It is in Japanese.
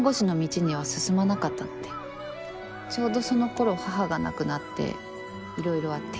ちょうどそのころ母が亡くなっていろいろあって。